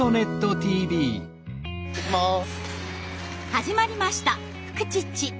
始まりました「フクチッチ」。